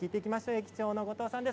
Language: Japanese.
駅長の後藤さんです。